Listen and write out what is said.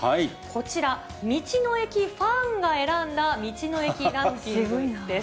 こちら、道の駅ファンが選んだ道の駅ランキングです。